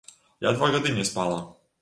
Я два гады не спала.